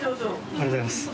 ありがとうございます。